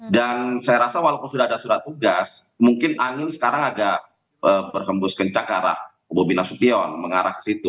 dan saya rasa walaupun sudah ada surat tugas mungkin angin sekarang agak berhembus kencang ke arah bobi nasution mengarah ke situ